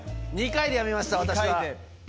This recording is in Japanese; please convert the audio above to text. ２回でやめました私は。